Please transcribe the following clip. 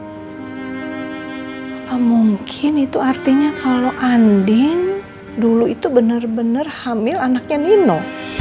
apa mungkin itu artinya kalau andin dulu itu bener bener hamil anaknya nino